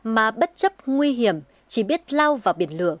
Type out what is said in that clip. mà bất chấp nguy hiểm chỉ biết lao vào biển lửa